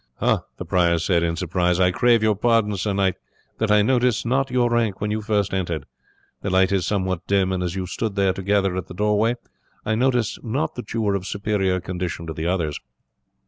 "Ah!" the prior said, in surprise; "I crave your pardon sir knight, that I noticed not your rank when you first entered. The light is somewhat dim, and as you stood there together at the door way I noticed not that you were of superior condition to the others."